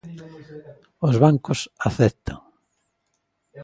Os bancos aceptan.